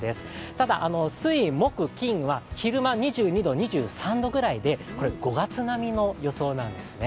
ただ、水木金は昼間、２２度、２３度ぐらいで５月並みの予想なんですね。